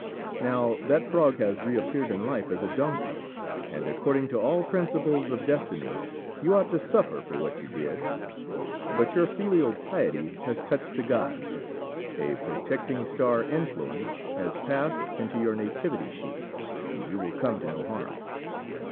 Now that frog has re appeared in life as a donkey, and according to all principles of destiny you ought to suffer for what you did; but your filial piety has touched the Gods, a protecting star influence has passed into your nativity sheet, and you will come to no harm.